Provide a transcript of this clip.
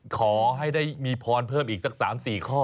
ขอให้ได้มีพรเพิ่มอีกสัก๓๔ข้อ